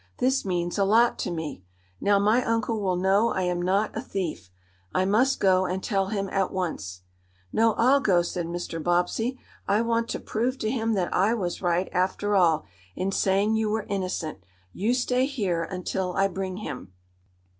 "This means a lot to me. Now my uncle will know I am not a thief. I must go and tell him at once." "No, I'll go," said Mr. Bobbsey. "I want to prove to him that I was right, after all, in saying you were innocent. You stay here until I bring him."